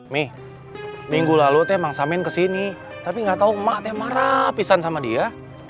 nih minggu lalu teh mang samin kesini tapi nggak tahu emak teh marah pisan sama dia